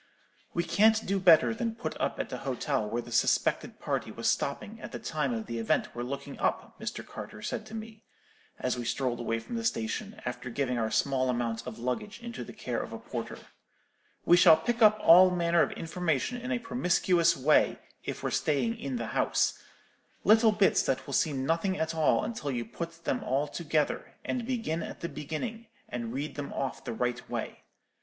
"'We can't do better than put up at the hotel where the suspected party was stopping at the time of the event we're looking up,' Mr. Carter said to me, as we strolled away from the station, after giving our small amount of luggage into the care of a porter; 'we shall pick up all manner of information in a promiscuous way, if we're staying in the house; little bits that will seem nothing at all till you put them all together, and begin at the beginning, and read them off the right way.